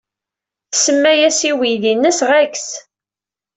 Tsemma-as i weydi-nnes Rex.